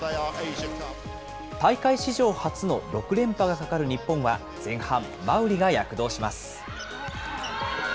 大会史上初の６連覇がかかる日本は前半、馬瓜が躍動します。